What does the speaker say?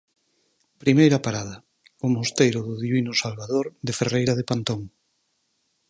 Primeira parada, o mosteiro do Divino Salvador de Ferreira de Pantón.